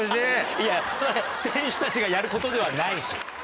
いやそれ選手たちがやることではないし。